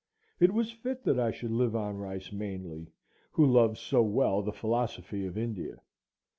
It was fit that I should live on rice, mainly, who loved so well the philosophy of India.